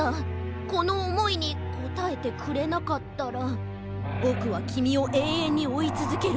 このおもいにこたえてくれなかったらぼくはきみをえいえんにおいつづける。